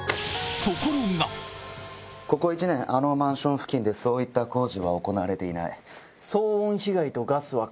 ここ１年あのマンション付近でそういった工事は行われていない。